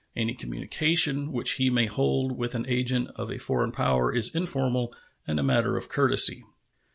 Any communication which he may hold with an agent of a foreign power is informal and matter of courtesy.